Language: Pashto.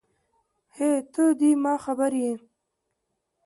هی ته ده ما خبر یی